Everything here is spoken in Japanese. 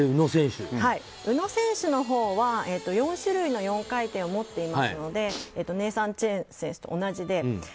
宇野選手のほうは４種類の４回転を持っていますのでネイサン・チェン選手と同じで。